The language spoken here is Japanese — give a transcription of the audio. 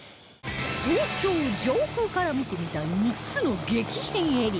東京上空から見てみた３つの激変エリア